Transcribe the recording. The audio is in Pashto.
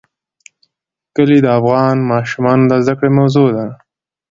کلي د افغان ماشومانو د زده کړې موضوع ده.